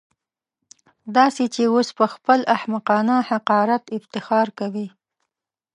داسې چې اوس پهخپل احمقانه حقارت افتخار کوي.